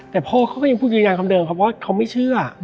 แต่พ่อก็ยังพูดอย่างความเดิมเพราะว่าเขาไม่เชื่อ